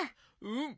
うん。